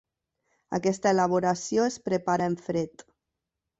Aquesta elaboració es prepara en fred.